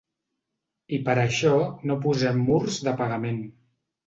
I per això no posem murs de pagament.